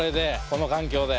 この環境で！